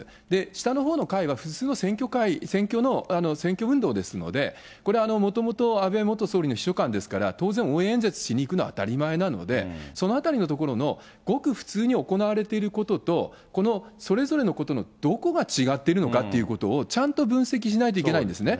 下のほうの会は、普通の選挙運動ですので、これ、もともと安倍元総理の秘書官ですから、当然、応援演説しにいくのは当たり前なので、そのあたりのところのごく普通に行われていることと、このそれぞれのことのどこが違っているのかってことをちゃんと分析しないといけないんですね。